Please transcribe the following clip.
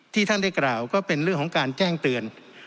ท่านได้กล่าวก็เป็นเรื่องของการแจ้งเตือน